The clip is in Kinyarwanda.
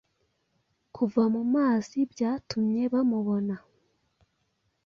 Kuva mumazi byatumye bamubona